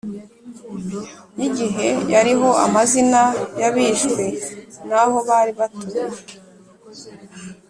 y'igihe yariho amazina y'abishwe n'aho bari batuye.